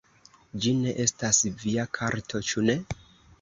Ĝi ne estas via karto, ĉu ne?